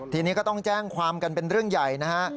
ทีนี้ก็ต้องแจ้งความกันเป็นเรื่องใหญ่นะฮะ